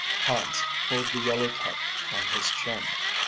Hans pulled the yellow tuft on his chin.